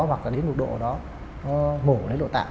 hoặc là đến một độ đó mổ đến nội tạng